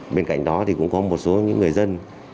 bên cạnh đó thì cũng có một số những người dân